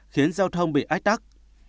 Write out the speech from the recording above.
tiến giao thông bị ách tắc